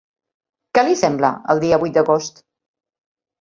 Què li sembla el dia vuit d'agost?